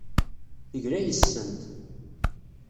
Tegla yes-sent.